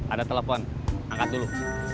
ada telepon angkat dulu